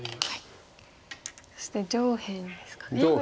そして上辺ですかね。